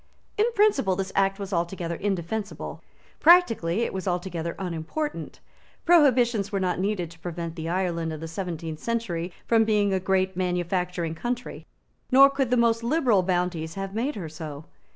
In principle this Act was altogether indefensible. Practically it was altogether unimportant. Prohibitions were not needed to prevent the Ireland of the seventeenth century from being a great manufacturing country; nor could the most liberal bounties have made her so.